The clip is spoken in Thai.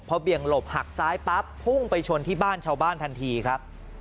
เบี่ยงหลบหักซ้ายปั๊บพุ่งไปชนที่บ้านชาวบ้านทันทีครับ